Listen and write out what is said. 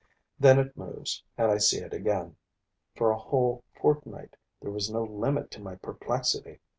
Then it moves and I see it again. For a whole fortnight, there was no limit to my perplexity.